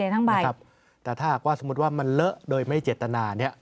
แต่ถ้าหากว่าสมมุติว่ามันเลอะโดยไม่เจตนาเนี่ย